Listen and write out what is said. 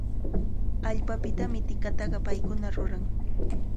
Allpapitami tikataqa paykuna ruran.